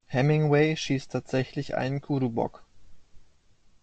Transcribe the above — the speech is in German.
Hemingway schießt tatsächlich einen Kudu-Bock.